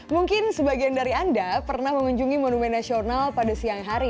mungkin sebagian dari anda pernah mengunjungi monumen nasional pada siang hari